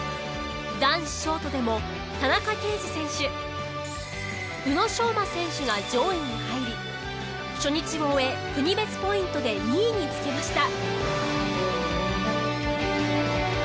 男子ショートでも田中刑事選手宇野昌磨選手が上位に入り初日を終え国別ポイントで２位につけました。